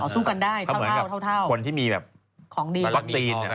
สู้กันได้เท่าเหมือนกับคนที่มีคลอสซีน